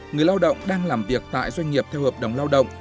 người lao động đang làm việc tại doanh nghiệp theo hợp đồng lao động